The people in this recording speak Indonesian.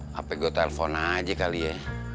hape gua telfon aja kali ya